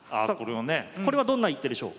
これはどんな一手でしょう？